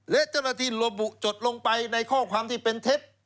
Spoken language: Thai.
และเจ้าหน้าที่ระบุจดลงไปในข้อความที่เป็นเท็จ